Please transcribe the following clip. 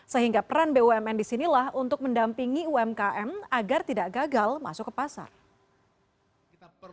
sehingga peran bumn disinilah untuk mendampingi umkm agar tidak gagal masuk ke pasar